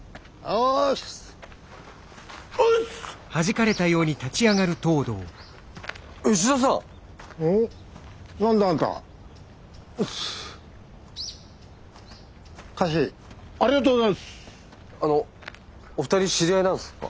あのお二人知り合いなんですか？